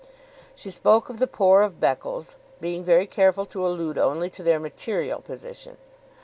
She spoke of the poor of Beccles, being very careful to allude only to their material position.